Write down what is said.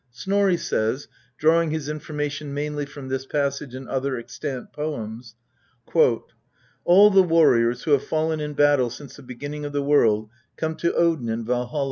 Snorri says, drawing his information mainly from this passage and other extant poems, " all the warriors who have fallen in battle since the beginning of the world come to Odin in Valholl.